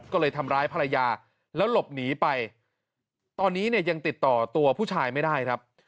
ก็เลยทำร้ายภรรยาแล้วหลบหนีไปตอนนี้เนี่ยยังติดต่อตัวผู้ชายไม่ได้ครับ